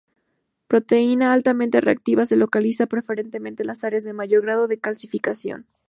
Proteína altamente reactiva se localiza preferentemente en las áreas de mayor grado de calcificación.